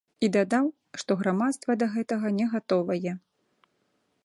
І дадаў, што грамадства да гэтага не гатовае.